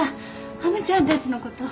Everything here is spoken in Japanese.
はむちゃんたちのこと。